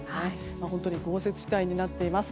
本当に豪雪地帯になっています。